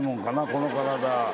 この体。